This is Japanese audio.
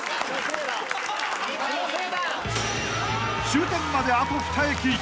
［終点まであと２駅］